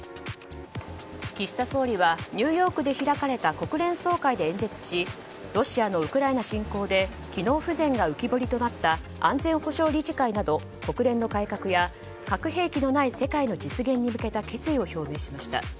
岸田総理はニューヨークで開かれた国連総会で演説しロシアのウクライナ侵攻で機能不全が浮き彫りとなった安全保障理事会など国連の改革や核兵器のない世界の実現に向けた決意を表明しました。